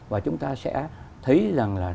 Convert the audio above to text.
và chúng ta sẽ thấy rằng là